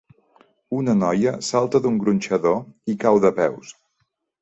Una noia salta d'un gronxador i cau de peus